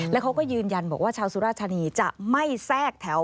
แล้วเขาก็ยืนยันบอกว่าชาวสุราชธานีจะไม่แทรกแถว